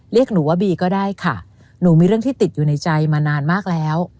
เรียกหนูว่าบีก็ได้ค่ะหนูมีเรื่องที่ติดอยู่ในใจมานานมากแล้ว